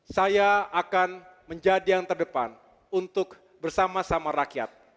saya akan menjadi yang terdepan untuk bersama sama rakyat